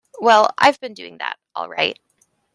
Well, I've been doing that, all right.